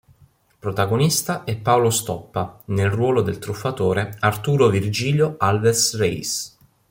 Protagonista è Paolo Stoppa nel ruolo del truffatore Arturo Virgilio Alves Reis.